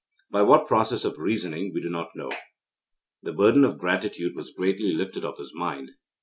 By what process of reasoning, we do not know, the burden of gratitude was greatly lifted off his mind.